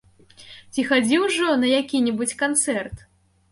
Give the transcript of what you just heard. Ці хадзіў ужо на які-небудзь канцэрт?